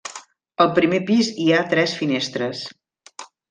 Al primer pis hi ha tres finestres.